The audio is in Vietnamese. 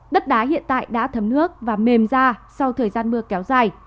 đất đá hiện tại đã thấm nước và mềm ra sau thời gian mưa kéo dài